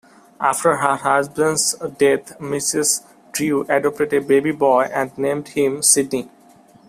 After her husband's death Mrs Drew adopted a baby boy and named him Sidney.